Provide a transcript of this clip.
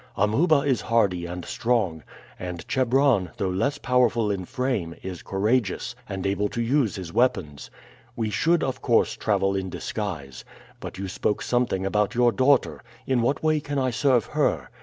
Amuba is hardy and strong, and Chebron, though less powerful in frame, is courageous, and able to use his weapons. We should, of course, travel in disguise. But you spoke something about your daughter in what way can I serve her?